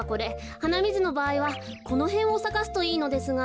はなみずのばあいはこのへんをさかすといいのですが。